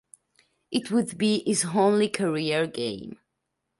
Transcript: It would be his only career game.